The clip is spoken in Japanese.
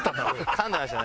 かんでましたね。